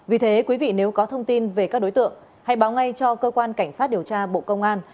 vì thế quý vị nếu có thông tin về các đối tượng hãy báo ngay cho cơ quan cảnh sát điều tra bộ công an